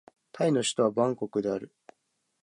タイの首都はバンコクである